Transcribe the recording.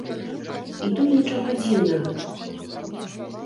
І тут нічога дзіўнага.